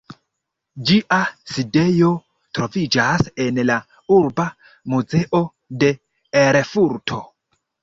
Ĝia sidejo troviĝas en la "Urba muzeo" de Erfurto.